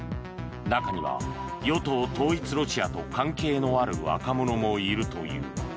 中には与党・統一ロシアと関係のある若者もいるという。